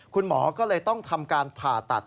คุณหมอก็เลยต้องทำการผ่าตัด